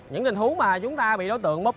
những tình hú mà chúng ta bị đối tượng bóp cổ